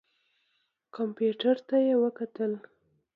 کمپیوټر ته یې وکتل.